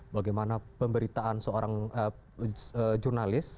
bagaimana pemberitaan seorang jurnalis